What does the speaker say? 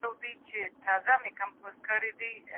د خوړو پاک لوښي تل وکاروئ.